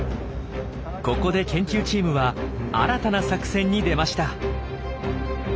ここで研究チームは新たな作戦に出ました。